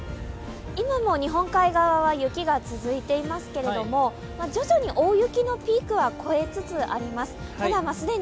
今も日本海側は雪が続いていますけれども徐々に大雪のピークは越えつつあります。